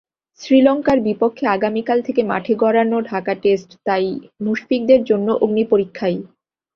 শ্রীলঙ্কার বিপক্ষে আগামীকাল থেকে মাঠে গড়ানো ঢাকা টেস্ট তাই মুশফিকদের জন্য অগ্নিপরীক্ষাই।